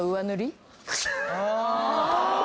あ！